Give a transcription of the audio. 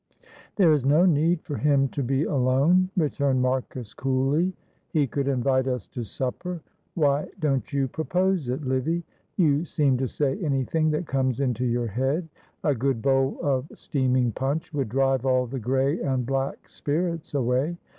"There is no need for him to be alone," returned Marcus, coolly. "He could invite us to supper. Why don't you propose it, Livy? You seem to say anything that comes into your head. A good bowl of steaming punch would drive all the grey and black spirits away.